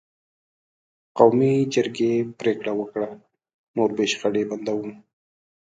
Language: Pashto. قومي جرګې پرېکړه وکړه: نور به شخړې بندوو.